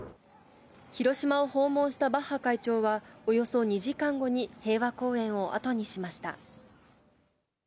広島を訪問したバッハ会長は、およそ２時間後に、平和公園を後にしました。